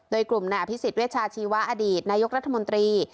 โดยกลุ่มนายอภิษฎเวชาชีวะอดีตนายกรัฐมนตรี